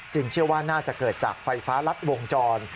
เชื่อว่าน่าจะเกิดจากไฟฟ้ารัดวงจร